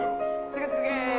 すぐつくゲーム！